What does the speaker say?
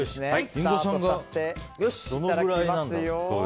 リンゴさんがどのくらいなんだろう。